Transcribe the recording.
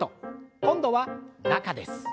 今度は中です。